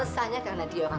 kenal kenal dia